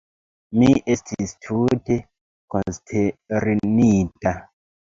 Mi estis tute konsternita.